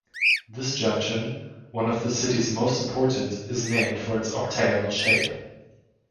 This junction, one of the city's most important, is named for its octagonal shape.